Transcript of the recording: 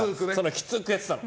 きつくやってたの。